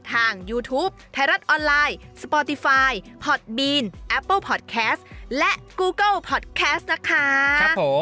ทางยูทูปไทยรัฐออนไลน์สปอร์ติไฟฮอตบีนแอปเปิ้ลพอดแคสและกูเกิ้ลพอดแคสนะคะ